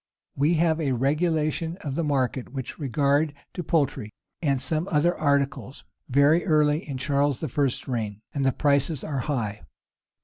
We have a regulation of the market with regard to poultry, and some other articles, very early in Charles I.'s reign; [] and the prices are high.